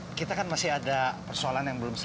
nah kita kan masih ada persoalan yang belum selesai